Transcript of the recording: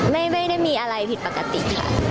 ไม่ได้มีอะไรผิดปกติค่ะ